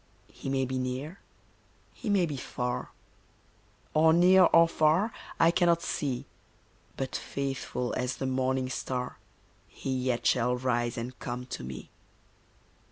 He may be near, he may be far, Or near or far I cannot see, But faithful as the morning star He yet shall rise and come to me.